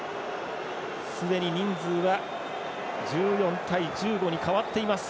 すでに人数は１４対１５に変わっています。